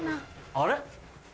あれ？